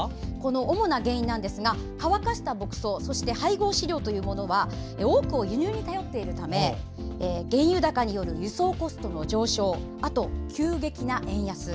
主な原因は、乾かした牧草そして配合飼料は多くを輸入に頼っているため原油高による輸送コストの上昇急激な円安